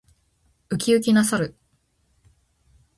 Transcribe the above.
ウキウキな猿。